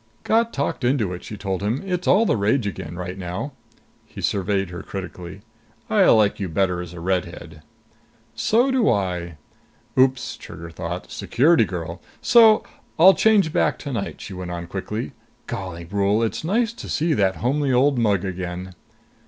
"Got talked into it," she told him. "It's all the rage again right now." He surveyed her critically. "I like you better as a redhead." "So do I." Oops, Trigger thought. Security, girl! "So I'll change back tonight," she went on quickly. "Golly, Brule. It's nice to see that homely old mug again!"